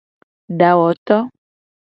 Dawoto.